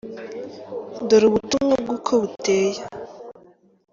Dore ubutumwa bwe uko buteye:.